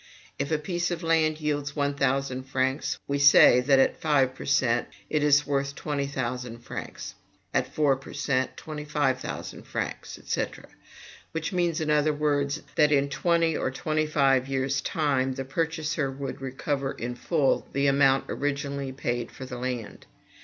If a piece of land yields one thousand francs, we say that at five per cent. it is worth twenty thousand francs; at four per cent. twenty five thousand francs, &c. which means, in other words, that in twenty or twenty five years' time the purchaser would recover in full the amount originally paid for the land.